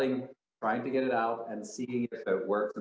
dan menyesuaikan pada jalanan